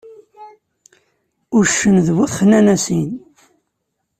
Uccen d bu texnanasin.